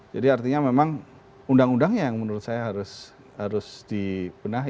jadi artinya memang undang undangnya yang menurut saya harus dibenahi